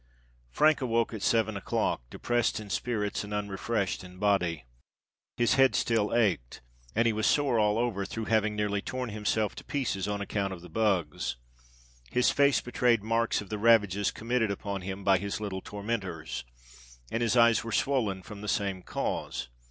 Frank awoke at seven o'clock, depressed in spirits and unrefreshed in body. His head still ached; and he was sore all over through having nearly torn himself to pieces on account of the bugs. His face betrayed marks of the ravages committed upon him by his little tormentors; and his eyes were swollen from the same cause.